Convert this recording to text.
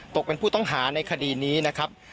ตกเป็นผู้ต้องหาในคดีนี้นะครับ